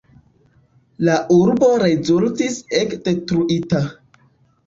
La urbo rezultis ege detruita.